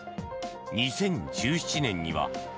２０１７年には。